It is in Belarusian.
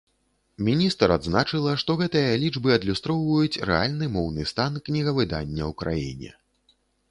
Міністр адзначыла, што гэтыя лічбы адлюстроўваюць рэальны моўны стан кнігавыдання ў краіне.